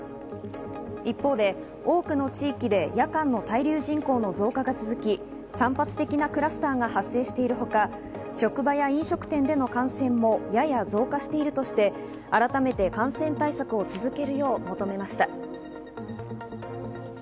一方で多くの地域で夜間の滞留人口の増加が続き、散発的なクラスターが発生しているほか、職場や飲食店での感染もやや増加しているとして改めて感染対策を続けるよう求めました。